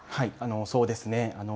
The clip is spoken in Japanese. そうですね。